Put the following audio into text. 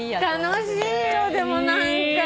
楽しいよでも何か。